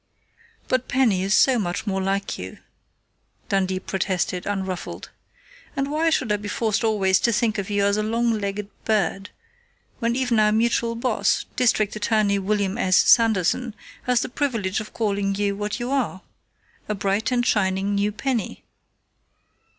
"But Penny is so much more like you," Dundee protested, unruffled. "And why should I be forced always to think of you as a long legged bird, when even our mutual boss, District Attorney William S. Sanderson, has the privilege of calling you what you are a bright and shining new penny?"